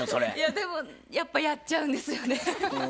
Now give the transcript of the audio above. でもやっぱやっちゃうんですよね。